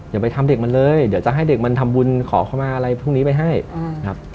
อย่าไปทำเด็กมันเลยเดี๋ยวจะให้เด็กมันทำบุญขอเข้ามาอะไรพวกนี้ไปให้ครับ